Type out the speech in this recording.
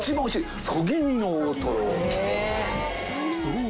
［そう。